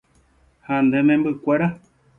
Ha ne membykuéra.